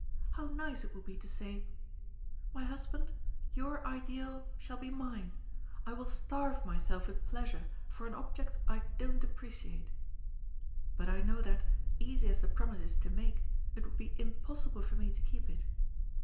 How nice it would be to say :^ My husband, your ideal shall be mine. I will starve myself with pleasure for an object I don't appreciate.' But I know that, easy as the promise is to make, it would be impossible for me to keep it.